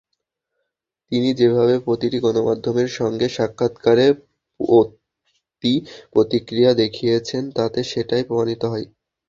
তিনি যেভাবে প্রতিটি গণমাধ্যমের সঙ্গে সাক্ষাৎকারে অতি-প্রতিক্রিয়া দেখিয়েছেন, তাতে সেটাই প্রমাণিত হয়।